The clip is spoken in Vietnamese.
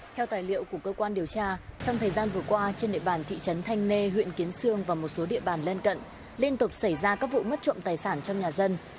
theo tài liệu của cơ quan điều tra trong thời gian vừa qua trên địa bàn thị trấn thanh nê huyện kiến sương và một số địa bàn lân cận liên tục xảy ra các vụ mất trộm tài sản trong nhà dân